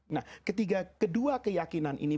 nah ketiga kedua keyakinan ini